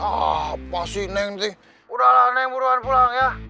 apa sih neng udah lah neng buruan pulang ya